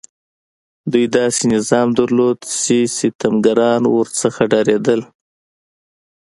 دوی داسې نظام درلود چې ستمګران ورڅخه ډارېدل.